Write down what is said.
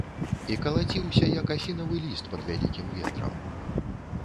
І калаціўся як асінавы ліст пад вялікім ветрам.